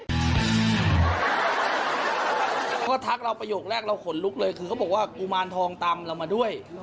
แรกแล้วเมนูทรักเราพนหนึ่งไปพบเลยคือก็บอกว่ากุมารทองตำเรามาด้วย